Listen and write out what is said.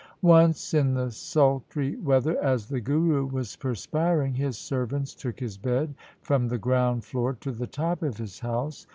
Once in the sultry weather, as the Guru was perspiring, his servants took his bed from the ground floor to the top of his house.